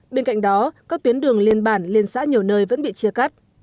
bên cạnh đó các tuyến đường liên bản liên xã nhiều nơi vẫn bị chia cắt